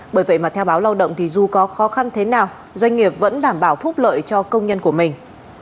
bởi vậy mà theo báo lao động thì dù có khó khăn thế nào doanh nghiệp vẫn đảm bảo phúc lợi cho công nhân của mình